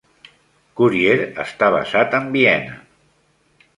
"Kurier" està basat en Viena.